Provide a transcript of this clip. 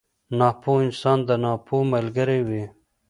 ناپوه انسان د ناپوه ملګری وي.